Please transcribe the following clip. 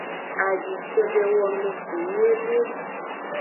Adi cede wono fu nyuiede.